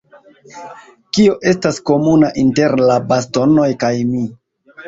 Kio estas komuna inter la bastonoj kaj mi?